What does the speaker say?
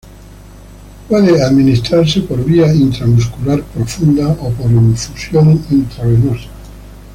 Puede administrarse por vía intramuscular profunda o por infusión intravenosa.